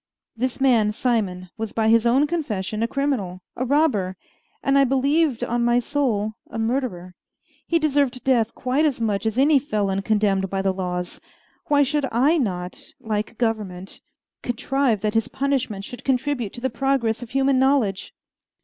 This man, Simon, was by his own confession a criminal, a robber, and I believed on my soul a murderer. He deserved death quite as much as any felon condemned by the laws: why should I not, like government, contrive that his punishment should contribute to the progress of human knowledge?